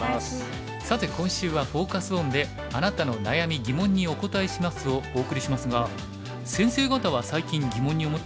さて今週はフォーカス・オンで「あなたの悩み疑問にお答えします！」をお送りしますが先生方は最近疑問に思ったことや何か悩んでいることありますか？